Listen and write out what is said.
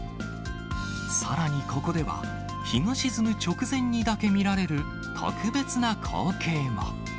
さらにここでは、日が沈む直前にだけ見られる特別な光景も。